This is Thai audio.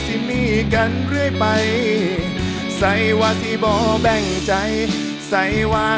สิบสี่ห้างหรือเศร้าสี่ห้างสี่จับมือกันอย่างว่าสันวา